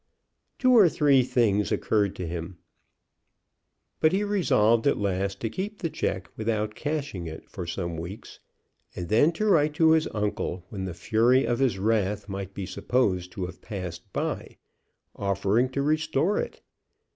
Two or three things occurred to him. But he resolved at last to keep the check without cashing it for some weeks, and then to write to his uncle when the fury of his wrath might be supposed to have passed by, offering to restore it.